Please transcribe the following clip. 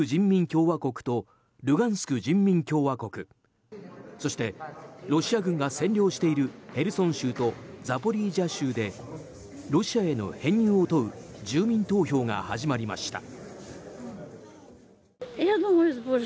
共和国とルガンスク人民共和国そして、ロシア軍が占領しているヘルソン州とザポリージャ州でロシアへの編入を問う住民投票が始まりました。